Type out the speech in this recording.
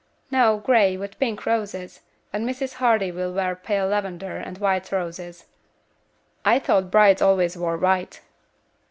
"No, grey, with pink roses; and Mrs. Hardy will wear pale lavender and white roses." "I thought brides always wore white."